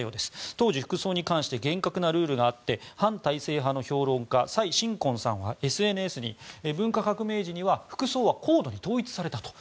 当時、服装に関して厳格なルールがあって反体制派の評論家サイ・シンコンさんはＳＮＳに文化革命時には服装は高度に統一されたと。